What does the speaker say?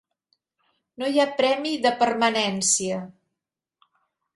No hi ha premi de permanència.